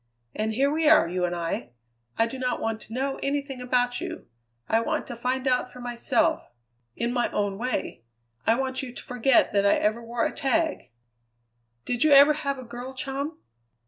And here we are, you and I! I do not want to know anything about you; I want to find out for myself, in my own way. I want you to forget that I ever wore a tag. Did you ever have a girl chum?"